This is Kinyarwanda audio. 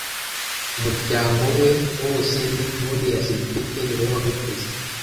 Umuryango we wose ni nkuriya cedric niwe wabivuze